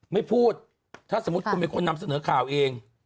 ไม่พูดถ้าสมมุติคุณเป็นคนนำเสนอข่าวเอง